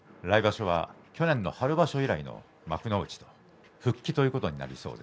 来場所は去年の春場所以来の幕内復帰ということになります。